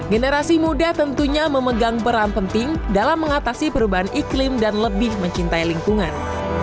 generasi muda tentunya memegang peran penting dalam mengatasi perubahan iklim dan lebih mencintai lingkungan